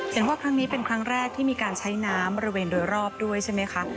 เห็นว่าครั้งนี้เป็นครั้งแรกที่มีการใช้น้ำบริเวณโดยรอบด้วยใช่ไหมคะ